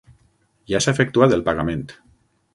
Ja s'ha efectuat el pagament.